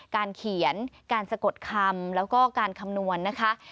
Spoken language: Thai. การเขียนการสะกดคำแล้วก็การคำนวณนะคะ